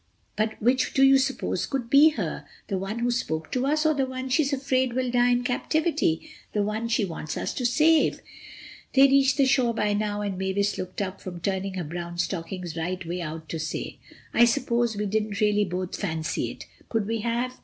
But which do you suppose could be her—the one who spoke to us or the one she's afraid will die in captivity—the one she wants us to save." They had reached the shore by now and Mavis looked up from turning her brown stockings right way out to say: "I suppose we didn't really both fancy it. Could we have?